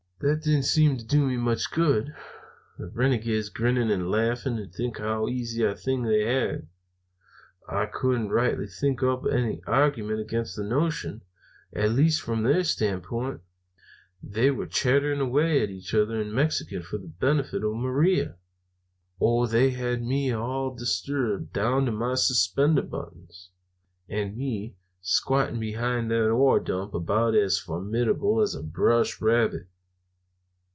"That didn't seem to do me much good. The renegades were grinning and laughing to think how easy a thing they had; and I couldn't rightly think up any arguments against the notion at least from their standpoint. They were chattering away to each other in Mexican for the benefit of Maria. Oh, they had me all distributed, down to my suspender buttons! And me squatting behind that ore dump about as formidable as a brush rabbit!